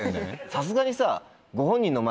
さすがにさ。